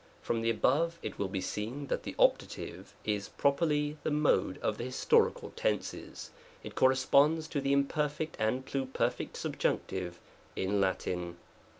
From the above it will be seen that the optative is proper ly the mode of the historical tenses. It corresponds to the Imperf. and Pluperf. subjunctive in Latin.